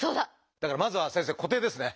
だからまずは先生「固定」ですね！